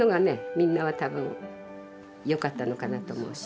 みんなは多分よかったのかなと思うし。